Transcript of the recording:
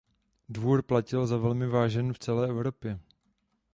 Dvůr platil za velmi vážený v celé Evropě.